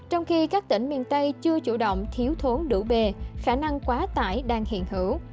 trong khi các tỉnh miền tây chưa chủ động thiếu thốn đủ bề khả năng quá tải đang hiện hữu